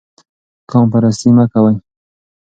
قوم پرستي مه کوئ.